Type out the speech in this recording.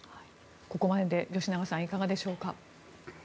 ここまでで吉永さんいかがでしょうか。